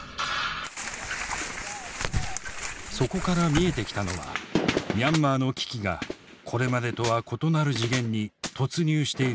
そこから見えてきたのはミャンマーの危機がこれまでとは異なる次元に突入している実態だった。